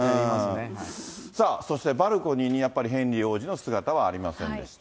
さあそしてバルコニーにやっぱりヘンリー王子の姿はありませんでした。